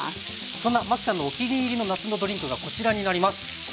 そんなマキさんのお気に入りの夏のドリンクがこちらになります。